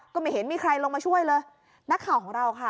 ก็ไม่เห็นมีใครลงมาช่วยเลยนักข่าวของเราค่ะ